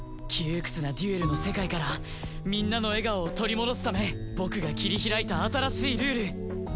窮屈なデュエルの世界からみんなの笑顔を取り戻すため僕が切り開いた新しいルール。